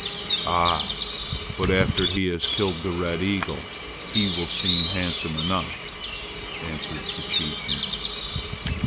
"Ah, but after he has killed the red eagle he will seem handsome enough!" answered the chieftain.